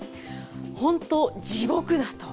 本当、地獄だと。